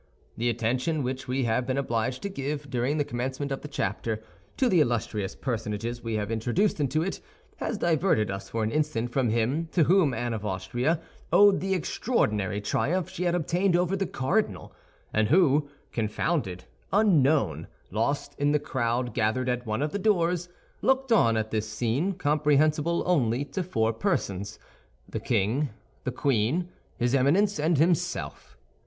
The attention which we have been obliged to give, during the commencement of the chapter, to the illustrious personages we have introduced into it, has diverted us for an instant from him to whom Anne of Austria owed the extraordinary triumph she had obtained over the cardinal; and who, confounded, unknown, lost in the crowd gathered at one of the doors, looked on at this scene, comprehensible only to four persons—the king, the queen, his Eminence, and himself.